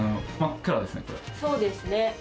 そうですね。